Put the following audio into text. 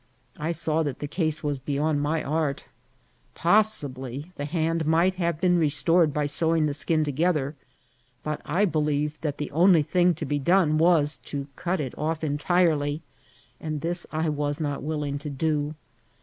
I saw that the case was beyond my art. Possibly the hand might have been restored by sewing the dun together ; but I believed that the only thing to be done was to cut it off entirely, and this I was not willing to do.